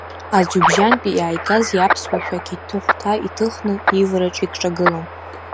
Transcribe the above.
Аӡҩыбжьантәи иааигаз иаԥсуа шәақь аҭыҳәҭа иҭыхны, ивараҿ икҿагылан.